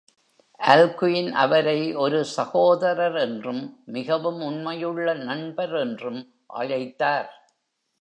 Alcuin அவரை ஒரு சகோதரர் என்றும் மிகவும் உண்மையுள்ள நண்பர் என்றும் அழைத்தார்.